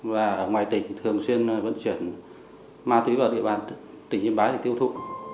và ở ngoài tỉnh thường xuyên vận chuyển ma túy vào địa bàn tỉnh yên bái để tiêu thụ